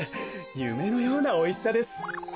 ゆめのようなおいしさです。